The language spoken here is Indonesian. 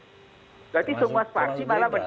jadi semua fraksi malah bertemu